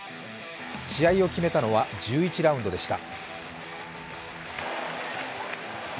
試合を決めたのは１１ラウンドでした。